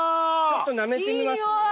ちょっとなめてみます？